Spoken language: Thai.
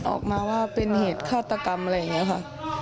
ออกมาว่าเป็นเหตุฆาตกรรมอะไรอย่างนี้ค่ะ